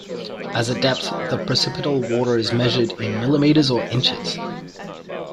As a depth, the precipitable water is measured in millimeters or inches.